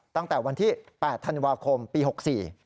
ตั้งแต่วันที่๘ธันวาคมปีหกสี่